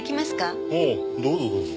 ああどうぞどうぞ。